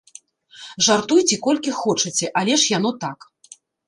Жартуйце колькі хочаце, але ж яно так.